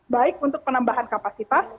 baik untuk penambahan kapasitas